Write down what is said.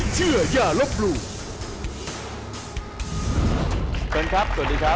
เชิญครับสวัสดีครับ